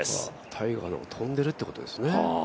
タイガーの方が飛んでいるということですね。